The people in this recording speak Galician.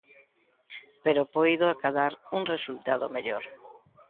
Pero puido acadar un resultado mellor.